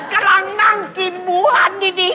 กำลังนั่งกินหมูหันดี